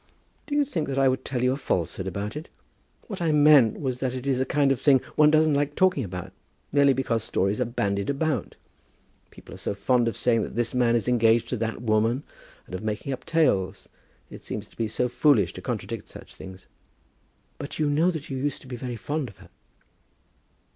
"Do you think that I would tell you a falsehood about it? What I meant was that it is a kind of thing one doesn't like talking about, merely because stories are bandied about. People are so fond of saying that this man is engaged to that woman, and of making up tales; and it seems to be so foolish to contradict such things." "But you know that you used to be very fond of her?"